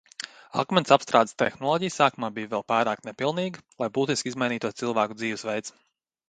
Akmens apstrādes tehnoloģija sākumā bija vēl pārāk nepilnīga, lai būtiski izmainītos cilvēku dzīves veids.